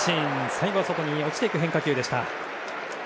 最後は外に逃げて落ちる変化球でした。